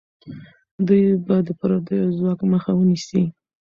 دوی به د پردیو ځواک مخه ونیسي.